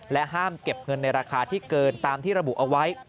ห้ามเก็บเงินในราคาที่เกินตามที่ระบุเอาไว้